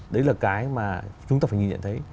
đấy là cái mà chúng ta phải nhìn nhận thấy